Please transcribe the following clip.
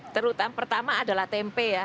terutama adalah tempe ya